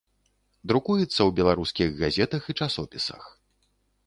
Друкуецца ў беларускіх газетах і часопісах.